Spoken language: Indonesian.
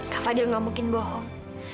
kak fadil nggak mungkin bohong